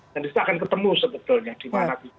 dan bisa akan ketemu sebetulnya dimana kita dan sebagainya